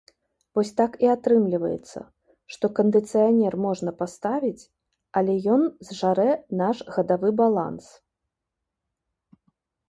Вось так і атрымліваецца, што кандыцыянер можна паставіць, але ён зжарэ наш гадавы баланс.